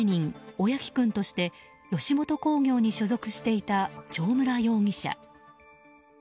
おやきくんとして吉本興業に所属していた正村容疑者。